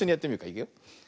いくよ。